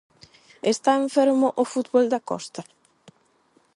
Está enfermo o fútbol da Costa?